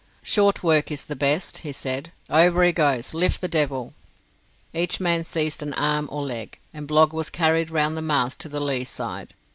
"Short work is the best," he said, "over he goes; lift the devil." Each man seized an arm or leg, and Blogg was carried round the mast to the lee side.